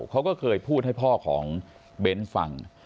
เขาก็เคยพูดให้พ่อของเบ้นฟัง